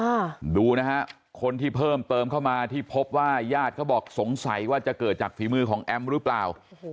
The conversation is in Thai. ดูนะฮะคนที่เพิ่มเติมเข้ามาที่พบว่าญาติเขาบอกสงสัยว่าจะเกิดจากฝีมือของแอมหรือเปล่าโอ้โห